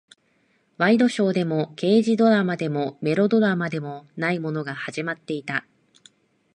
ワイドショーでも、刑事ドラマでも、メロドラマでもないものが始まっていた。